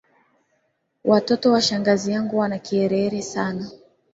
Watoto wa shangazi wangu wana kiherehere sana.